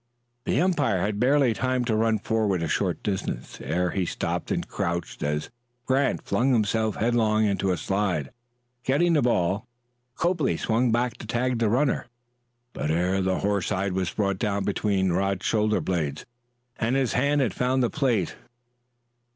The umpire had barely time to run forward a short distance ere he stopped and crouched as Grant flung himself headlong in a slide. Getting the ball, Copley swung back to tag the runner, but ere the horsehide was brought down between Rod's shoulder blades, his hand had found the plate.